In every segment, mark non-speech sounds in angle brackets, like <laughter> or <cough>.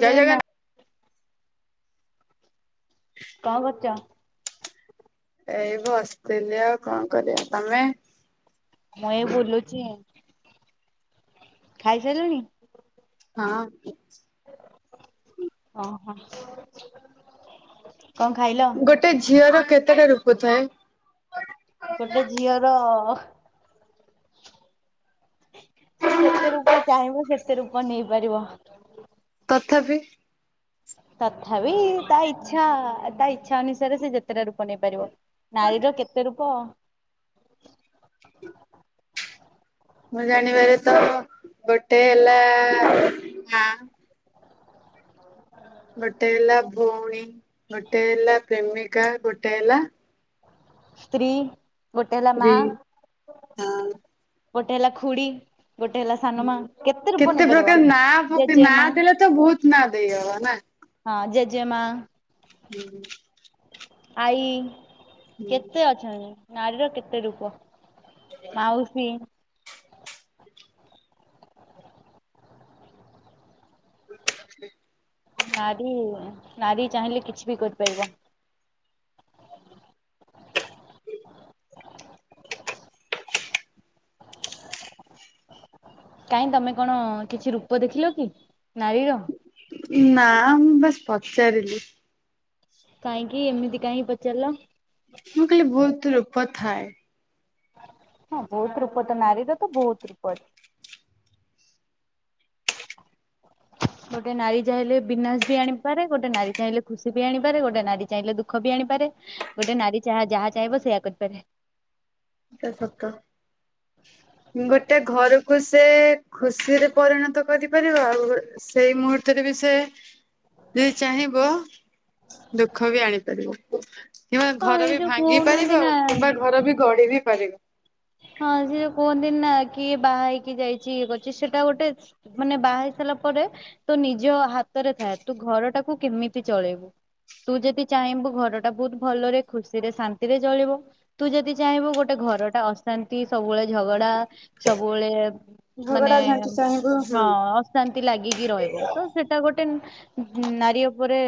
ଜୟ ଏ ନା। ଜଗନ୍ନା <inaudible> କଣ କରୁଚ। ଏଇ ବସିଥିଲି ଆଉ କଣ କରିବା ତମେ। ହୟ ବୁଲୁଛି। ଖାଇ ସାରିଲୁଣି। ହଁ। ଓହୋ କଣ ଖାଇଲ। ଗୋଟେ ଝିଅର କେତେଟା ରୁପଥାଏ। ଗୋଟେ ଝିଅର। ସେ ଯେତେ ରୂପ ଚାହିଁବ ସେତେ ରୂପ ନେଇପାରିବ। ତଥାପି। ତଥାପି ତା ଇଛା ତା ଇଚ୍ଛା ଅନୁସାରେ ସେ ଯେତେ କେତେଟା ରୂପ ନେଇପାରିବ ନାରୀର କେତେ ରୂପ। <inaudible> ମୁଁ ଜାଣିବାରେ ତ ଗୋଟେ ହେଲା ମାଁ। ଗୋଟେ ହେଲା ଭଉଣୀ ଗୋଟେ ହେଲା ପ୍ରେମିକା ଗୋଟେ ହେଲା ସ୍ତ୍ରୀ ଗୋଟେ ହେଲା ମା ସ୍ତ୍ରୀ ହଁ ଗୋଟେ ହେଲା ଖୁଡି ଗୋଟେ ହେଲା ସାନ ମା ହୁଁ। କେତେ ରୂପ ପ୍ରକାର ନେଇପାରିବ ନାଁ ପକେ ଜେଜେ ନାଁ ମା ଦେଲେ ତ ବହୁତ ନା ଦେଇହବ ନା। ହଁ ଜେଜେମା। <inaudible> ଆଈ କେତେ ଅଛନ୍ତି ନାରୀର କେତେ ରୂପ। ମାଉସୀ। <inaudible> ନାରୀ ନାରୀ ଚାହିଁଲେ କିଛି ବି କରିପାରିବ। <inaudible> କାହିଁ ତମେ କଣ କିଛି ରୂପ ଦେଖିଲ କି ନାରୀର। ନା ମୁଁ ବାସ୍ ପଚାରିଲି। କାହିଁକି ଏମିତି କାଇଁ ପଚାରିଲ। ମୁଁ କହିଲି ବହୁତ ରୂପ ଥାଏ। ହଁ ବୋହୁତ ରୂପତ ନାରୀ ତ ତ ବହୁତ ରୂପ ଅଛି। <inaudible> ଗୋଟେ ନାରୀ ଚାହିଁଲେ ବିନାଶ ବି ଆଣିପାରେ ଗୋଟେ ନାରୀ ଚାହିଁଲେ ଖୁସି ବି ଆଣିପାରେ ଗୋଟେ ନାରୀ ଚାହିଁଲେ ଦୁଃଖ ଖ ବି ଆଣିପାରେ ଗୋଟେ ନାରୀ ଯାହା ଚାହିଁବ ସେଇୟା କରିପାରେ। ଏଟା ସତ। ଗୋଟେ ଘରକୁ ସେ ଖୁସିରେ ପରିଣତ କରିପାରିବ ଆଉ ସେଇ ମୁହୂର୍ତ୍ତରେ ବି ସେ ଯଦି ଚାହିଁବ ଦୁଃଖ ବି ଆଣିପାରିବ। କିମ୍ବା ହଁ ଘର ଏଇ ବି ଯୋଉ ଭାଙ୍ଗି କହୁନାହାନ୍ତି ପାରିବ କିମ୍ବା ନା ଘର ବି ଗଢ଼ୀ ବି ପାରିବ। ହଁ ଜିଏ କୁହନ୍ତି ନା କିଏ ବାହା ହେଇକି ଯାଇଚି ଇଏ କରିଚି ସେଟା ଗୋଟେ ମାନେ ବାହାହେଇ ସାରିଲା ପରେ ତୋ ନିଜ ହାତରେ ଥାଏ ତୁ ଘର ଟାକୁ କେମିତି ଚଳେଇବୁ। ତୁ ଯଦି ଚାହିଁବୁ ଘର ଟା ବୋହୁତ ଭଲରେ ଖୁସିରେ ଶାନ୍ତିରେ ଚଳିବ। ତୁ ଯେଦି ଚାହିଁବୁ ଗୋଟେ ଘରଟା ଅସ ଶାନ୍ତି ସବୁବେଳେ ଝଗଡା ସବୁବେଳେ ମାନେ ଝଗଡା ଝାଣ୍ଟି ଚାହିଁବୁ ଅ ହୁଁ ଶାନ୍ତି ଲାଗିକି ରହିବ ତ ସେଟା ଗୋଟେ ନାରୀ ଉପରେ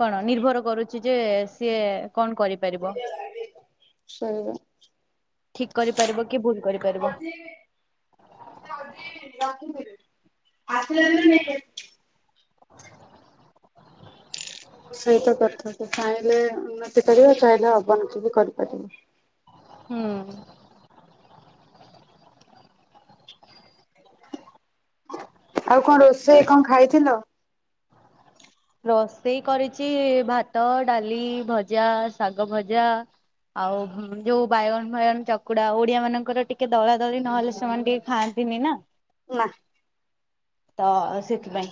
କଣ ନିର୍ଭର କରୁଚି ଯେ ସିଏ କଣ କରିପାରିବ। ସେଇଆ। ଠିକ୍ କରିପାରିବ କି ଭୁଲ କରିପାରିବ। ଆସିଲା ଦିନ ନେଇକି ଆସିବି। ସେଇତ କଥା ସେ ଚାହିଁଲେ ଉନ୍ନତି କରିବ ଚାହିଁଲେ ଅବନତି ବି କରିପାରିବ। ହୁଁ। ଆଉ କଣ ରୋଷେଇ କଣ ଖାଇଥିଲ। ରୋଷେଇ କରିଚି ଭାତ ଡାଲି ଭଜା ଶାଗ ଭଜା। ଆଉ ଯୋଉ ବାଇଗଣ ଫାଇଗଣ ଚକୁଡା ଓଡିଆ ମାନଙ୍କର ଟିକେ ଦଳା ଦଳି ନହେଲେ ସେମାନେ ଟିକେ ଖାଆନ୍ତିନି ନା। ନା। ତ ସେଥିପାଇଁ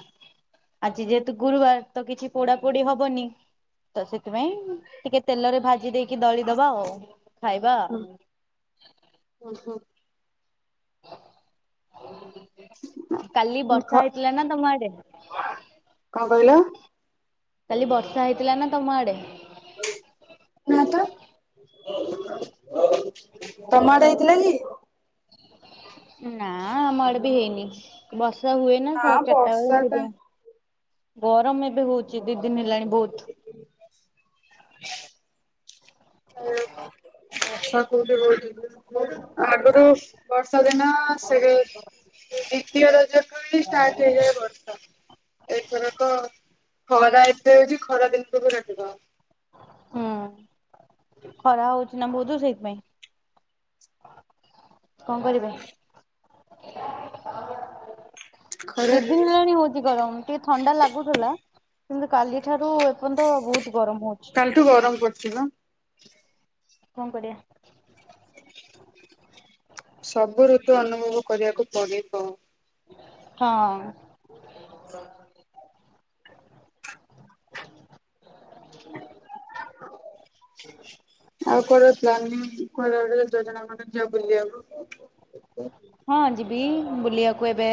ଆଜି ଯେହେତୁ ଗୁରୁବାର ତ କିଛି ପୋଡା ପୋଡି ହବନି। ତ ସେଥିପାଇଁ ଟିକେ ତେଲରେ ଭାଜି ଦେଇକି ଦଳି ଦବା ଆଉ ଖାଇବା। ଉଁ ହୁଁ। କାଲି ହୁଁ ବର୍ଷା ହେଇଥିଲା ନା ତମ ଆଡେ। କଣ କହିଲ। କାଲି ବର୍ଷା ହେଇଥିଲା ନା ତମ ଆଡେ। ନା ତ। ତମ ଆଡେ ହେଇଥିଲା କି? ନା ଆମଆଡେ ବି ହେଇନି ବର୍ଷା ହୁଏ ନା ସ ଚାରଟା ବେଳେ ବର୍ଷା ସିଜା କାଇଁ ଗରମ ଏବେ ହଉଛି ଦି ଦିନି ହେଲାଣି ବହୁତ୍। <inaudible> ହାଲୋ ବର୍ଷା କୋଉଠି ହୋଉଚି। ଆଗରୁ ବର୍ଷା ଦିନ ସେଇଠି ଦ୍ଵିତୀୟ ରଜଠୁ ହିଁ ଷ୍ଟାର୍ଟ ହେଇଯାଏ ବର୍ଷା ଏଥରକ ଖରା ଏତେ ହୋଉଚି ଖରା ଦିନକୁ ବି କାଟିଦବ। ହୁଁ ଖରା ହୋଉଚି ନା ବୋହୁତ ସେଇଥିପାଇଁ। କଣ କରିବା ଖରା ଦି ଦିନି ହେଲାଣି ହୋଉଚି। କି ଗରମ ଟିକେ ଥଣ୍ଡା ଲାଗୁଥିଲା କିନ୍ତୁ କାଲି ଠାରୁ ଏପର୍ଯ୍ୟନ୍ତ ବୋହୁତ ଗରମ ହୋଉଚି। କାଲିଠୁ ଗରମ କରୁଚି ପା। କଣ କରିଵା। ସବୁ ଋତୁ ଅନୁଭବ କରିବାକୁ ପଡିବ। ହଁ। <inaudible> ଆଉ କୁଆଡେ ପ୍ଳାନିଙ୍ଗ। କୁଆଡେ ଗୋଟେ ଯୋଜନା କରୁନ ଯିବା ବୁଲିବାକୁ। ହଁ ଯିବି ବୁଲିବାକୁ ଏବେ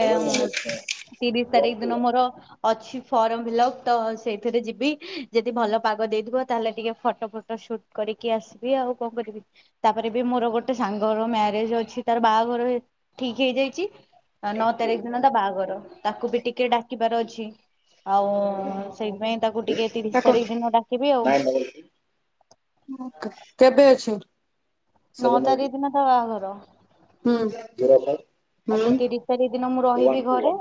ତିରିଶ ତାରିଖ ଦିନ ମୋର ଅଛି ଫର୍ମ ଫିଲପ ତ ସେଇଥିରେ ଯିବି ଯଦି ଭଲ ପାଗ ଦେଇଥିବ ତାହେଲେ ଟିକେ ଫଟୋ ଫଟୋ ସୁଟ କରିକି ଆସିବି ଆଉ କଣ କରିବି। ତାପରେ ବି ମୋର ଗୋଟେ ସାଙ୍ଗର ମ୍ୟାରେଜ ଅଛି ତାର ବାହାଘର ଠିକ୍ ହେଇଯାଇଛି ନଅ ତାରିଖ ଦିନ ତା ବାହାଘର ତାକୁ ବି ଟିକେ ଡାକିବାର ଅଛି। ଆଉ ସେଇଥିପାଇଁ ତାକୁ ଟିକେ ତା ତିରିଶ କଣ? ତାରିଖ ଦିନ ଡାକିବି ଆଉ। କେବେ ଅଛି। ନଅ ସେଭେନ ଏଇଟ୍ ତାରିଖ ଦିନ ତା ବାହାଘର। ହୁଁ। <unintelligible> ତାକୁ ହୁଁ ତିରିଶ ତାରିଖ ଦିନ ମୁଁ ୱାନ୍ ରହିବି ଟୁ ଘରେ। ୱାନ୍।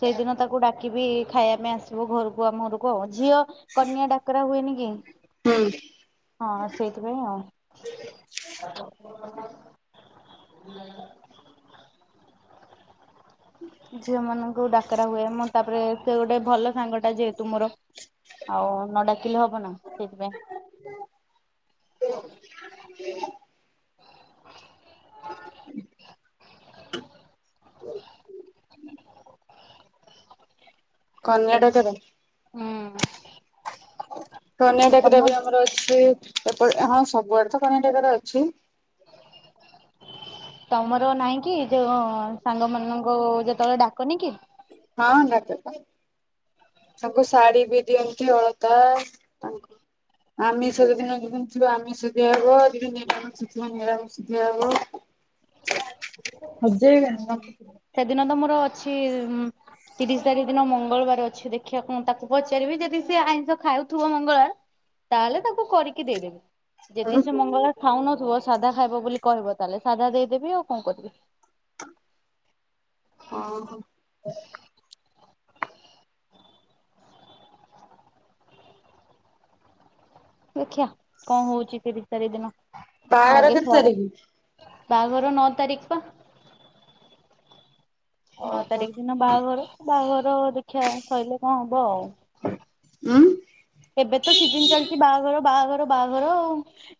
ସେଇଦିନ ତାକୁ ଡାକିବି ଖାଇବା ପାଇଁ ଆସିବ ଘରକୁ ଆମ ଘରକୁ। କୁହ ଝିଅ କନ୍ୟା ଡାକରା ହୁଏନି କି। ହୁଁ। ହଁ ସେଇଥିପାଇଁ ଆଉ। <inaudible> <inaudible> ଝିଅ ମାନଙ୍କୁ ଡାକରା ହୁଏ ମୁଁ ତାପରେ ସେ ଗୋଟେ ଭଲ ସାଙ୍ଗ ଟା ଯେହେତୁ। ତୁମର ଆଉ ନ ଡାକିଲେ ହବ ନା ସେଇଥିପାଇଁ। <inaudible> <inaudible> କନ୍ୟା ଡାକରା। ହୁଁ। କନ୍ୟାଡାକ ତମ ବି ଆମର ଅଛି ସେପଟ ହଁ ସବୁଆଡେ ତ କନ୍ୟାଡାକରା ଅଛି। ତମର ନହିଁ କି ଯୋଉ ସାଙ୍ଗ ମାନଙ୍କୁ ଯେତେବେଳେ ଡାକନି କି। ହଁ ଡାକନ୍ତି। ତାଙ୍କୁ ଶାଢୀ ବି ଦିଅନ୍ତି ଅଳତା ତାଙ୍କୁ। ଆମିଷ ଯଦି ନଦିନ ଥିବ ଆମିଷ ଦିଆ ହବ ଯଦି ନିରାମିଷ ଯୋଉଦିନ ନିରାମିଷ। ଦିଆହବ। <inaudible> ହଜେଇବେନି ରଖି ସେଦିନ ତ ମୋର ଅଛି। ତିରିଶ ତାରିଖ ଦିନ ମଙ୍ଗଳବାର ଅଛି ଦେଖିବାକୁ ମୁଁ ତାକୁ ପଚାରିବି ଯଦି ସିଏ ଆଇଁଷ ଖାଉଥିବ ମଙ୍ଗଳବାର ତାହେଲେ ତାକୁ କରିକି ଦେଇଦେବି। ଯଦି ସେ ମଙ୍ଗଳବାର ଖାଉନଥିବ ସାଧା ଖାଇବ ବୋଲି କହିବ ତାହେଲେ ସାଧା ଦେଇଦେବି ଆଉ କଣ କରିବି। ଓହୋ। ଦେଖିିବା କଣ ହଉଛି ତିରିଶ ତାରିଖ ଦିନ ମୁଁ ବାହାଘର ଆଗେ କେତେ ଫୋନ୍ ତାରିଖ ବାହାଘର ନଅ ତାରିଖ ପା ନଅ ଓହୋ ତାରିଖ ଦିନ ବାହାଘର ବାହାଘର ଦେଖିବା ସରିଲେ କଣ ହବ ଆଉ। ହୁଁ। ଏବେ ତ ସିଜନ ଚାଲିଛି ବାହାଘର ବାହାଘର ବାହାଘର ଆଉ।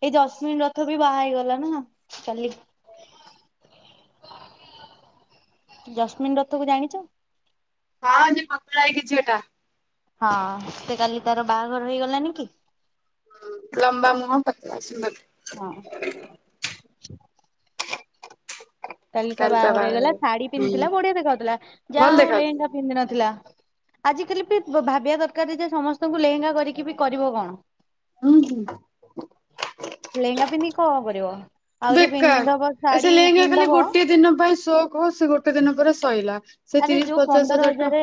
ଏଇ ଜସ୍ମିନ୍ ରଥ ବି ବାହା ହେଇଗଲା ନା କାଲି। ଜସ୍ମିନ୍ ରଥ କୁ ଜାଣିଚ। ହଁ ଯେଉ ପତଳା ହେଇକି ଝିଅଟା। ହଁ ସେ କାଲି ତାର ବାହାଘର ହେଇଗଲାନି କି। ହୁଁ ଲମ୍ବା ମୁହଁ ପତଳା ସୁନ୍ଦର। ହଁ। କାଲି ତା ବାହାଘର ହେଇଗଲା ଶାଢୀ ପିନ୍ଧିଥିଲା ବଢିଆ ଦେଖାଉଥିଲା ଭଲ ଯାହା ଆଉ ଦେଖାଯାଉଥିଲା। ଲେହେଙ୍ଗା ପିନ୍ଧିିନଥିଲା। ଆଜିକାଲି ବି ଭାବିବା ଦରକାର ଯେ ସମସ୍ତଙ୍କୁ ଲେହେଙ୍ଗା କରିକି ବି କରିବ କଣ। ହୁଁ ହୁଁ। ଲେହେଙ୍ଗା ପିନ୍ଧିକି କଣ କରିବ ଆହୁରି ପିନ୍ଧ ଦବ ଶାଢୀ କିଣିଦବ। ଗୋଟେ ଦିନ ପାଇଁ ଶୋ କ ସେ ଗୋଟେ ଦିନ ପରେ ସଇଲା। ସେ ଆରେ ତିରିଶ ଯୋଉ ପଚାଶ ପନ୍ଦର ହଜାର ଟଙ୍କା ହଜାରେ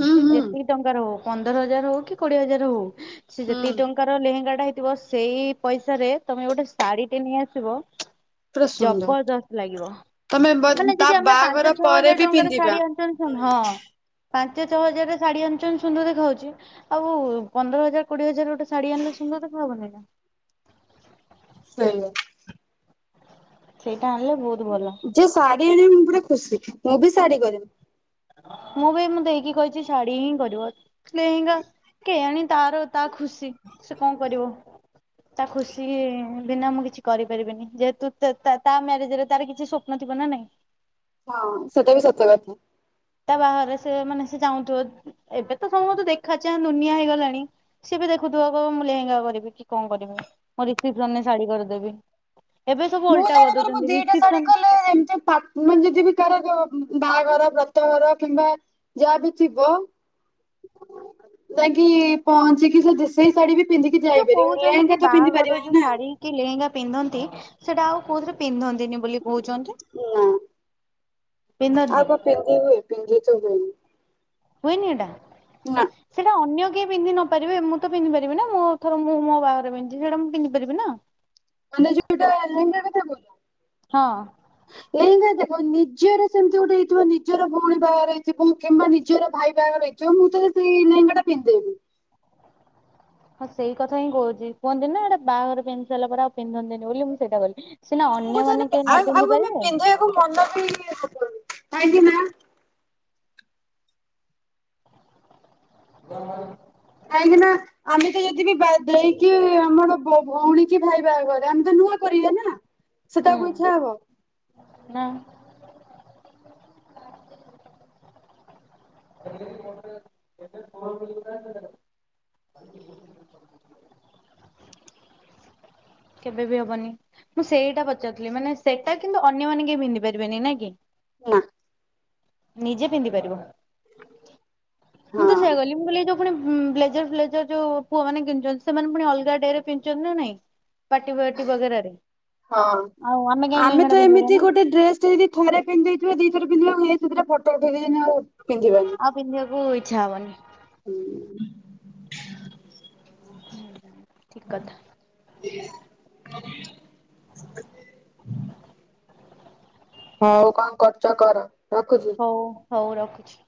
ହୁଁ ସେ ହୁଁ। ଯେତିକି ଟଙ୍କାର ହଉ ପନ୍ଦର ହଜାର ହଉ କି କୋଡିଏ ହଜାର ହଉ ସେ ହୁଁ ଯେତିକି ଟଙ୍କା ପ୍ରକାର ଲେହେଙ୍ଗା ଟା ହେଇଥିବ ସେଇ ପଇସାରେ ତମେ ଗୋଟେ ଶାଢୀ ଟେ ନେଇ ଆସିବ ପୁରା ସୁନ୍ଦର। ଜବଦସ୍ତ ଲାଗିବ ତମେ ବ ମାନେ ତା ଯଦି ଆମେ ବାହାଘର ପାଞ୍ଚ ଛଅ ପରେ ହଜାର ବି ଟଙ୍କାରେ ପିନ୍ଧିବା। ଶାଢୀ ହଁ ପାଞ୍ଚ ଛ ହଜାରରେ ସାଢ଼ୀ ଆଣୁଚନ୍ତି ସୁନ୍ଦର ଦେଖା ଯାଉଚି। ଆଉ ପନ୍ଦର ହଜାର କୋଡିଏ ହଜାର ଗୋଟେ ଶାଢୀ ଆଣିଲେ ସୁନ୍ଦର ଦେଖା ହବନି ନା। ସେଇଆ। ସେଇଟା ହେଲେ ବହୁତୁ ଭଲ। ଯିଏ ଶାଢୀ ଆଣିବ ମୁଁ ପୁରା ଖୁସି ମୁଁ ବି ଶାଢୀ କରିବି। ମୁଁ ବି ମୋ ଦେଇକି କହିଚି ଶାଡ଼ି ହିଁ କରିବ ଲେହେଙ୍ଗା କେଇଆଣୀ ତାର ତା ଖୁସି ସେ କଣ କରିବ। ତା ଖୁସି ବିନା ମୁଁ କିଛି କରିପାରିବିନି ଯେହେତୁ ତା ତା ତା ମ୍ୟାରେଜରେ ତାର କିଛି ସ୍ୱ ସ୍ୱପ୍ନ ଥିବ ନା ନାଇଁ। ହଁ ସେଟା ବି ସତ କଥା। ତା ବାହାଘରରେ ସେ ମାନେ ସେ ଚାହୁଁଥିବ ଏବେତ ସମତେ ଦେଖା ଚାଁ ଦୁନିଆ ହେଇଗଲାଣି। ସିଏବି ଦେଖୁଥିବ ମୁଁ ଲେହେଙ୍ଗା କରିବି କି କଣ କରିବି ମୋ ରିସେପସନରେ ଶାଢୀ କରିଦେବି। ଏବେ ସବୁ ଓଲଟା କରିଦଉଚନ୍ତି ରିସିପସନ ହେଲେ ଏମ୍ତି ପା ମାନେ ଜି ଜିଏବି ତାର ଯୋ ବାଆଘର ବ୍ରତଘର କିମ୍ବା ଯାହା ବି ଥିବ ଯାଇକି ପହଞ୍ଚିକି ସେ ଯେ ସେଇ ଶାଡି ବି ପିନ୍ଧିକି ଯାଇ ଯୋଉ ପାରିବ କହୁଛନ୍ତି କି ଲେହେଙ୍ଗା ତ ପିନ୍ଧି ବାହାଘର ଯୋଉ ପାରିବାନି ନା। ଶାଢୀ କି ଲେହେଙ୍ଗା ପିନ୍ଧନ୍ତି ସେଟା ଆଉ କୋଉଥିରେ ପିନ୍ଧନ୍ତିନି ବୋଲି କହୁଚନ୍ତି। ନା ପିନ୍ଧନ୍ତି। ଆଉ କଣ ପିନ୍ଧି ହୁଏ ପିନ୍ଧି ତ ହୁଏନି। ହୁଏନି ଏଟା ନା ସେଟା ଅନ୍ୟ କିଏ ପିନ୍ଧି ନ ପାରିବେ ମୁଁତ ପିନ୍ଧି ପାରିବିନା ମୁଁ ଥର ମୁଁ ମୋ ବାହାଘରେ ପିନ୍ଧିଥିବି ମୁଁ ପିନ୍ଧିପାରିବି ନା। ମାନେ ଯିପିଟା ଲେହେଙ୍ଗା କଥା କହୁନୁ। ହଁ। ସେଇଟା ଦେଖ ନିଜର ସେମିତି ଗୋଟେ ହେଇଥିବ ନିଜର ଭଉଣୀ ବାହାଘରେ ହେଇଥିବ କିମ୍ବା ନିଜର ଭାଇ ବାହାଘର ହେଇଚି ଯୋଉ ମୁଁ ତ ସେଟି ଲେହେଙ୍ଗା ଟା ପିନ୍ଧିଦେବି। ହଁ ସେଇ କଥା ହିଁ କହୁଛି କୁହନ୍ତି ନା ଏଇଟା ବାହାଘରରେ ପିନ୍ଧିସାରିଲା ପରେ ଆଉ ପିନ୍ଧନ୍ତିନି ବୋଲି ମୁଁ ସେଟା କହିଲି। ସିନା <unintelligible> ଅନ୍ୟମାନେ କେହି ନ ପିନ୍ଧି ପାରିବେ ହୁଁ ପିନ୍ଧେଇବାକୁ ମନବି ହେବନି କାହିଁକି ନା ବ। କାଇଁକି ନା ଆମେ ବି ଯଦି ବି ବା ଦେଇକି ଆମର ଭଉଣୀ କି ଭାଇ ବାହାଘରେ ଆମେ ତ ନୂଆ କରିବା ନା। ସେଟାକୁ ଇଚ୍ଛା ହବ। ନାଁ। <unintelligible> କେବେବି ହବନି। ମୁଁ ସେଇଟା ପଚାରୁଥିଲି ମାନେ ସେଟା କିନ୍ତୁ ଅନ୍ୟମାନେ କେହି ପିନ୍ଧି ପାରିବେନି ନା କି? <unintelligible> ନିଜେ ପିନ୍ଧି ପାରିବ। ହଁ ପୁଣି ବ୍ଲେଜର ଫ୍ଲେଜର ଯୋଉ ପୁଅ ମାନ କିଣୁଛନ୍ତି ସେମାନେ ପୁଣି ଅଲଗା ଡେ ରେ ପିନ୍ଧୁଚନ୍ତି ନା ନାଇଁ? ପାଟି ବାଆ ଟି ବଗେରାରେ। ହଁ ଆଉ ଆମେ କାହିଁ ଲେହେଙ୍ଗା ଟା ଆମେତ ପିନ୍ଧି ଏମିତି ପାରିବାନି ଗୋଟେ ଡ୍ରେସ୍ ଜଇଦି ଥରେ ପିନ୍ଧିଦେଇଥିବେ ଦିଥର ପନ୍ଧିଲା ବେଳକୁ ହେଇ ତୁ ଦିଟା ଫଟୋ ଉଠେଇ ଦିଏନି ଆଉ ପିନ୍ଧିବାନି। ଆଉ ପିନ୍ଧିବାକୁ ଇଚ୍ଛା ହବନି। ହୁଁ ହୁଁ ହୁଁ ଠିକ୍ କଥା। <inaudible> ହଉ କଣ କରୁଚ କର ରଖୁଚି? ହଉ ହଉ ରଖୁଛି।